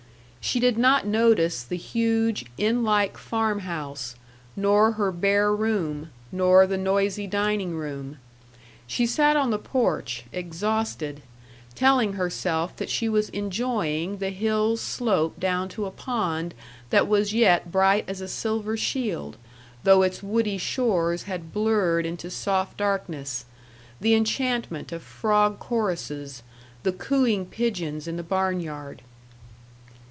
She did not notice the huge, inn like farm house, nor her bare room, nor the noisy dining room. She sat on the porch, exhausted, telling herself that she was enjoying the hill's slope down to a pond that was yet bright as a silver shield, though its woody shores had blurred into soft darkness, the enchantment of frog choruses, the cooing pigeons in the barn yard.